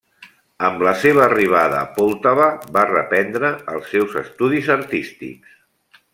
Amb la seva arribada a Poltava, va reprendre els seus estudis artístics.